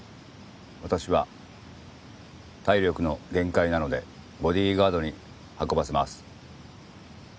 私は体力の限界なのでボディーガードに運ばせます。